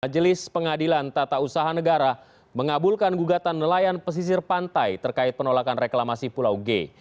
majelis pengadilan tata usaha negara mengabulkan gugatan nelayan pesisir pantai terkait penolakan reklamasi pulau g